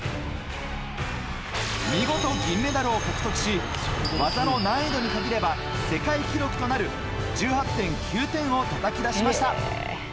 見事、銀メダルを獲得し技の難易度に限れば世界記録となる１８．９点をたたき出しました。